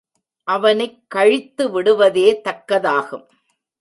அவனைக் கழித்துவிடுவதே தக்கதாகும்.